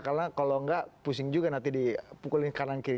karena kalau nggak pusing juga nanti dipukul kanan kiri